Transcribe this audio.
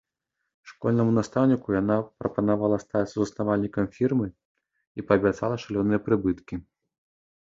Школьнаму настаўніку яна прапанавала стаць сузаснавальнікам фірмы і паабяцала шалёныя прыбыткі.